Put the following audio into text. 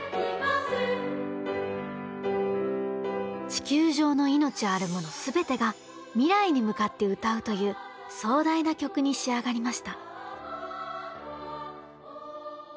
地球上の命あるもの全てが未来に向かって歌うという壮大な曲に仕上がりました。